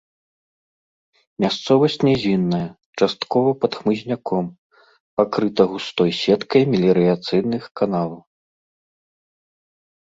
Мясцовасць нізінная, часткова пад хмызняком, пакрыта густой сеткай меліярацыйных каналаў.